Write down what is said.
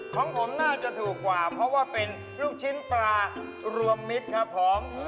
ของผมน่าจะถูกกว่าเพราะว่าเป็นลูกชิ้นปลารวมมิตรครับผม